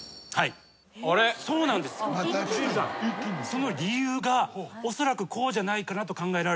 その理由がおそらくこうじゃないかなと考えられてます。